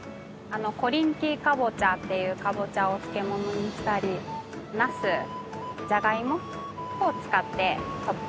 コリンキーカボチャっていうカボチャを漬物にしたりナスジャガイモを使ってトッピングさせてもらってます。